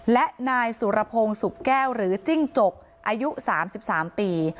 และนายสุรพงศ์สุกแก้วหรือจิ้งจกอายุ๓๓ปี